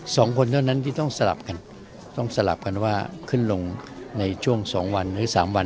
สองคนเท่านั้นที่ต้องสลับกันต้องสลับกันว่าขึ้นลงในช่วงสองวันหรือสามวัน